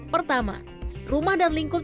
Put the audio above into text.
pertama rumah dan lingkung tempatnya